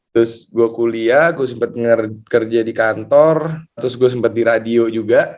terus gue kuliah gue sempat kerja di kantor terus gue sempet di radio juga